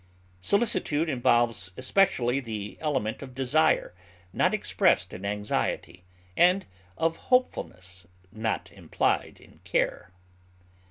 Solicitude involves especially the element of desire, not expressed in anxiety, and of hopefulness, not implied in care.